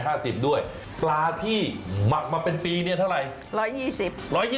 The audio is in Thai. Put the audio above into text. ด้วยปลาที่หมักมาเป็นปีเนี่ยเท่าไหร่